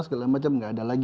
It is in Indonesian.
istilah macam tidak ada lagi